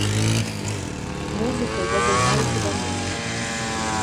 Музыкай я займаюся даўно.